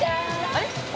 あれ？